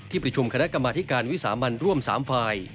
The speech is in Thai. ประชุมคณะกรรมธิการวิสามันร่วม๓ฝ่าย